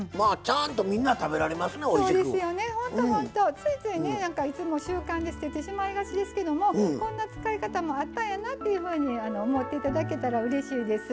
ついついねいつも習慣で捨ててしまいがちですけどもこんな使い方もあったんやなっていうふうに思っていただけたらうれしいです。